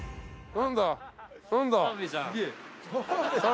何だ？